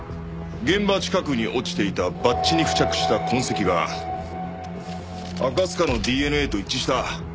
現場近くに落ちていたバッジに付着した痕跡が赤塚のＤＮＡと一致した。